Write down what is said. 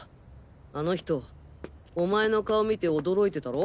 あの人お前の顔見て驚いてたろ？